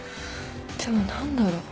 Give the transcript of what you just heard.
でも何だろう。